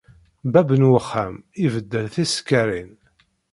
Bab n wexxam ibeddel tisekkaṛin.